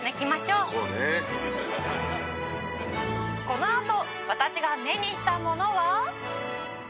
「このあと私が目にしたものは」